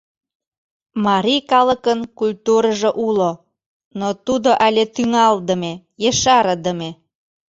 Марий калыкын культурыжо уло, но тудо але тӱҥалдыме, ешарыдыме.